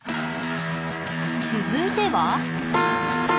続いては。